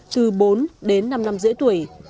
từ bốn đến năm năm rưỡi tuổi